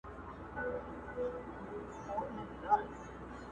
زولنې یې شرنګولې د زندان استازی راغی،